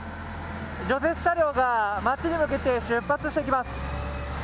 除雪車両が町に向けて出発していきます。